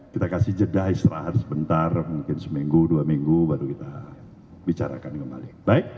kita kasih jeda istirahat sebentar mungkin seminggu dua minggu baru kita bicarakan kembali